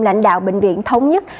lãnh đạo bệnh viện thống nhất